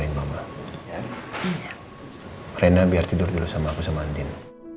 renda biar tidur dulu sama aku sama andin